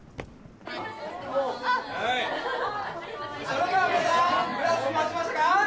それでは皆さんグラス持ちましたか？